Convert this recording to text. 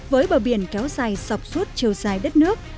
với bờ biển kéo dài dọc suốt chiều dài đất nước